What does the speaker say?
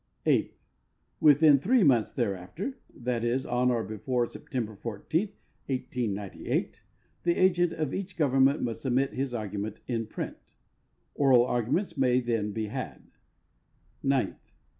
Eighth. Within three months thereafter, ?. c, on or before Sei)tember 14, 1898, the agent of each government must submit his argument in print. Oral arguments may then be had. Ninth.